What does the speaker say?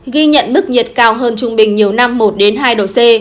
ghi nhận mức nhiệt cao hơn trung bình nhiều năm một hai độ c